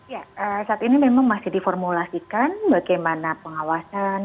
ya saat ini memang masih diformulasikan bagaimana pengawasan